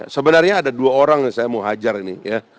sebenarnya ada dua orang yang saya mau hajar ini